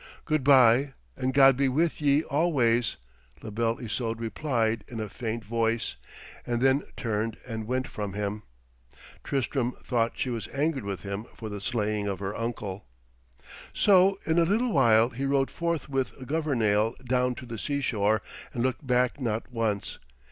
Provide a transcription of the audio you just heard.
'Good bye and God be with ye always,' La Belle Isoude replied in a faint voice, and then turned and went from him. Tristram thought she was angered with him for the slaying of her uncle. So in a little while he rode forth with Governale down to the seashore and looked back not once.